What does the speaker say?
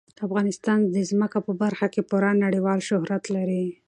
افغانستان د ځمکه په برخه کې پوره نړیوال شهرت لري.